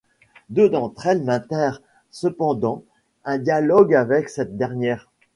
Deux d'entre elles maintinrent, cependant, un dialogue avec cette dernière.